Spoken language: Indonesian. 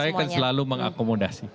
saya kan selalu mengakomodasi